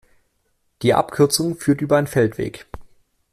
Die Abkürzung führt über einen Feldweg.